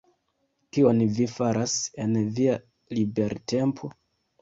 Kion vi faras en via libertempo?